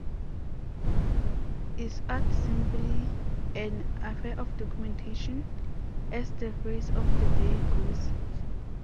Is art simply an affair of documentation, as the phrase of the day goes?